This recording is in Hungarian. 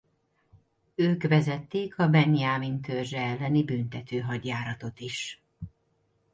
Ők vezették a Benjámin törzse elleni büntető hadjáratot is.